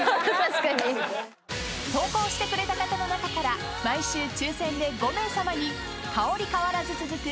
［投稿してくれた方の中から毎週抽選で５名さまに香り変わらず続く